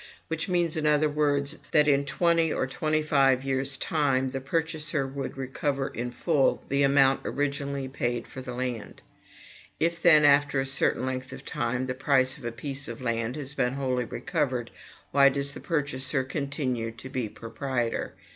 which means, in other words, that in twenty or twenty five years' time the purchaser would recover in full the amount originally paid for the land. If, then, after a certain length of time, the price of a piece of land has been wholly recovered, why does the purchaser continue to be proprietor?